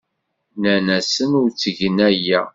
Nnan-asen ur ttgen aya.